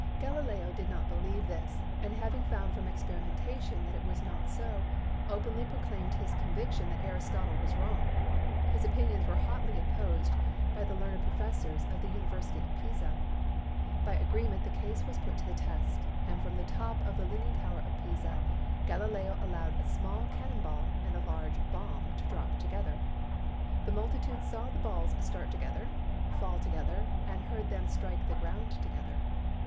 Galileo did not believe this, and having found from experimentation that it was not so, openly proclaimed his conviction that Aristotle was wrong. His opinions were hotly opposed by the learned professors of the University of Pisa. By agreement the case was put to the test, and from the top of the leaning tower of Pisa Galileo allowed a small cannon ball and a large bomb to drop together. "The multitude saw the balls start together, fall together and heard them strike the ground together.